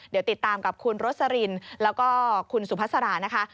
เดี๋ยวติดตามกับคุณโรสลินแล้วก็คุณสุภาษานะคะ